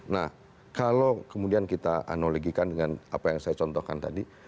nah kalau kemudian kita analogikan dengan apa yang saya contohkan tadi